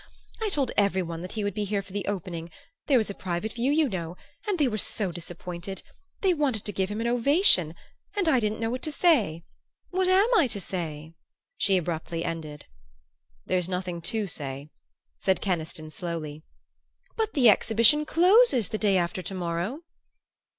I told every one that he would be here for the opening there was a private view, you know and they were so disappointed they wanted to give him an ovation; and I didn't know what to say. What am I to say?" she abruptly ended. "There's nothing to say," said Keniston slowly. "But the exhibition closes the day after to morrow."